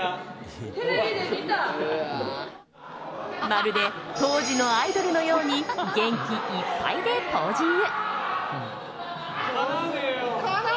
まるで当時のアイドルのように元気いっぱいでポージング。